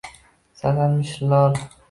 Solarmishlar doimo.